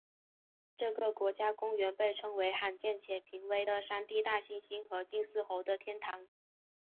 这个国家公园被称为罕见且濒危的山地大猩猩和金丝猴的天堂。